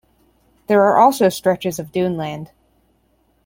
There are also stretches of duneland.